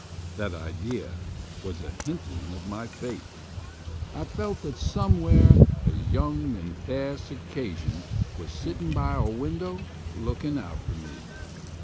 That idea was a hinting of my Fate. I felt that somewhere a young and fair Circassian was sitting by a window looking out for me.